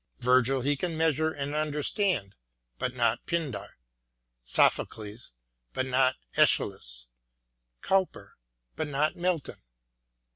Virgil he can measure and understand, but not Pindar ; Sophocles, but not iEschylus ; Cowper, but not Milton.